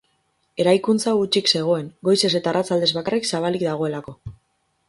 Eraikuntza hutsik zegoen, goizez eta arratsaldez bakarrik zabalik dagoelako.